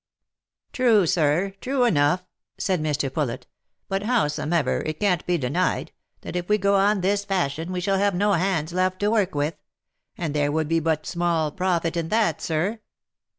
*" True, sir, true enough," said Mr. Poulet, " but howsomever it OP MICHAEL ARMSTRONG. 217 can't be denied, that if we go on this fashion we shall have no hands left to work with. — and there would be but small profit in that sir."